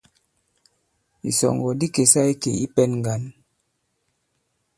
Ìsɔ̀ŋgɔ̀ di kèsa ikè i pɛ̄n ŋgǎn.